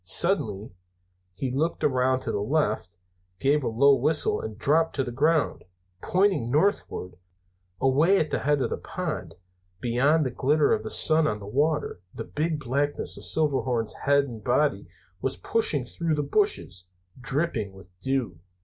Suddenly he looked around to the left, gave a low whistle and dropped to the ground, pointing northward. Away at the head of the pond, beyond the glitter of the sun on the water, the big blackness of Silverhorns' head and body was pushing through the bushes, dripping with dew.